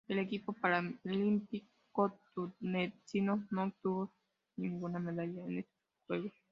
El equipo paralímpico tunecino no obtuvo ninguna medalla en estos Juegos.